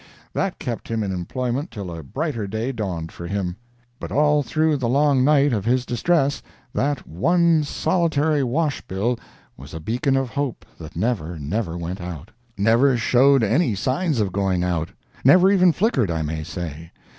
That kept him in employment till a brighter day dawned for him. But all through the long night of his distress that one solitary wash bill was a beacon of hope that never, never went out. Never showed any signs of going out. Never even flickered, I may say.